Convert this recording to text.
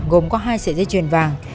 gồm có hai sợi dây chuyền vàng